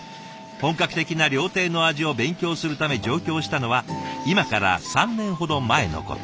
本格的な料亭の味を勉強するため上京したのは今から３年ほど前のこと。